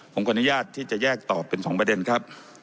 ผมขออนุญาตที่จะแยกตอบเป็น๒ประเด็นครับ